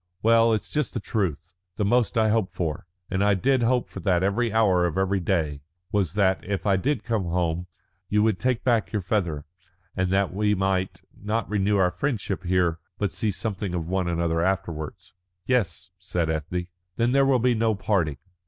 "Well, it's just the truth. The most I hoped for and I did hope for that every hour of every day was that, if I did come home, you would take back your feather, and that we might not renew our friendship here, but see something of one another afterwards." "Yes," said Ethne. "Then there will be no parting."